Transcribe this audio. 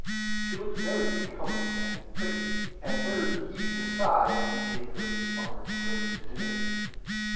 She looked very becomeing and pretty and Bernard heaved a sigh as he gave her his arm to go into dinner.